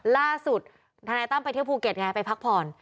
ล่าสุดธานาตังไปเที่ยวภูเกตไงไปพักพร